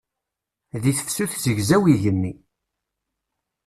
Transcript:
Deg tefsut zegzaw yigenni.